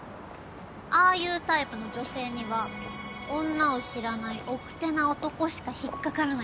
ああいうタイプの女性には女を知らない奥手な男しか引っ掛からないから。